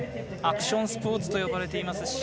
アクションスポーツと呼ばれています。